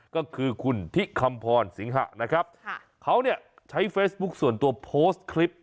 ก็คือคุณทิคำพรสิงหะนะครับเขาเนี่ยใช้เฟซบุ๊คส่วนตัวโพสต์คลิป